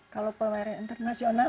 kalau pameran internasional